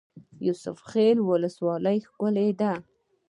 یوسف خیل ولسوالۍ ښکلې ده؟